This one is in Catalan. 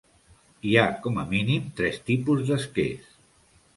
Hi ha com a mínim tres tipus d'esquers.